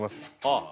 ああ。